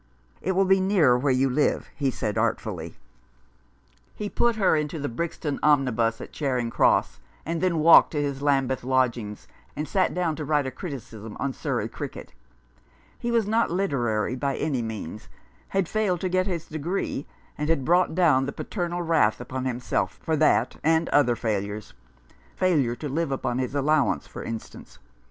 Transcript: "It will be nearer where you live," he said artfully. He put her into a Brixton omnibus at Charing Cross, and then walked to his Lambeth lodging, and sat down to write a criticism on Surrey cricket. He was not literary by any means, had failed to get his degree, and had brought down the paternal wrath upon himself for that and other failures — failure to live upon his allowance, for instance.